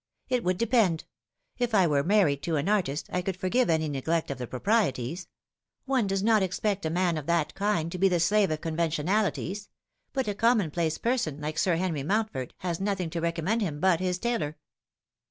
" It would depend. If I were married to an artist I conld forgive any neglect of the proprieties. One does not expect a man of that kind to be the slave of conventionalities ; but a commonplace person like Sir Henry Mountf ord has nothing to recommend him but his tailor."